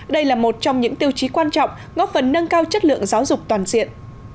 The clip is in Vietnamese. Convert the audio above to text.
đây là một trong những tiêu chí quan trọng góp phần nâng cao chất lượng giáo dục toàn diện